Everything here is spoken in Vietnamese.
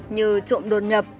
như trộm đồn nhập